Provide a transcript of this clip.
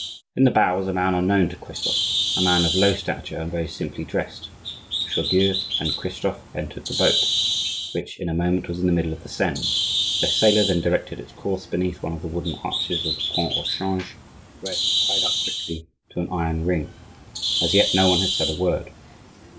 In the bow was a man unknown to Christophe, a man of low stature and very simply dressed. Chaudieu and Christophe entered the boat, which in a moment was in the middle of the Seine; the sailor then directed its course beneath one of the wooden arches of the pont au Change, where he tied up quickly to an iron ring. As yet, no one had said a word.